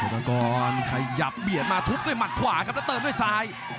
มังกรขยับเบียดมาทุบด้วยหมัดขวาครับแล้วเติมด้วยซ้าย